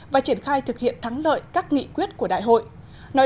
và triển khai thực hiện thắng lợi các nghị quyết của đại hội